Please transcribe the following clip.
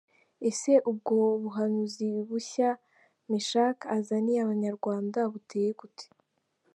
Ese ubwo buhanuzi bushya Mechack azaniye abanyarwanda buteye gute?.